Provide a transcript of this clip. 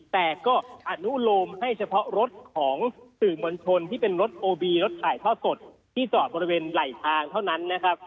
แต่ก็อนุโลมให้เฉพาะรถของสื่อมวลชนที่เป็นรถโอบีรถถ่ายทอดสดที่จอดบริเวณไหลทางเท่านั้นนะครับ